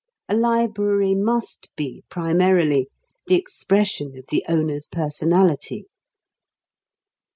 A library must be, primarily, the expression of the owner's personality.